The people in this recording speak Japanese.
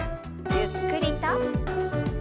ゆっくりと。